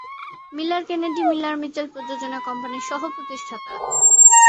Miller Kennedy Miller Mitchell প্রযোজনা কোম্পানির সহ-প্রতিষ্ঠাতা।